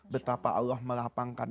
betapa allah melapangkan